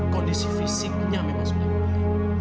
kondisi fisiknya memang sudah mulai